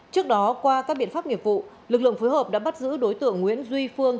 trước đó qua các biện pháp nghiệp vụ lực lượng phối hợp đã bắt giữ đối tượng nguyễn duy phương